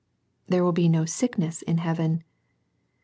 There will be no sickness in heaven.